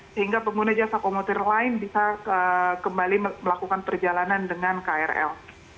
sehingga pengguna jasa komuter lain bisa kembali melakukan perjalanan dengan krl